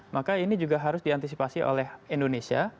maka ini juga harus diantisipasi oleh indonesia